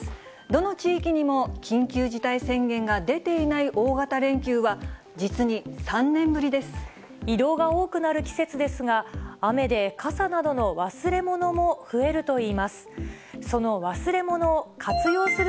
どの地域にも緊急事態宣言が出ていない大型連休は、実に３年ぶり移動が多くなる季節ですが、雨で傘などの忘れ物も増えるといいます。